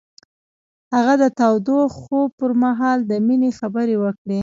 هغه د تاوده خوب پر مهال د مینې خبرې وکړې.